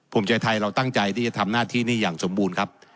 ภูมิใจไทยเราตั้งใจที่จะทำหน้าที่นี้อย่างสมบูรณ์ครับ